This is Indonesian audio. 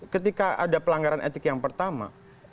ketika ada pelanggaran etik yang pertama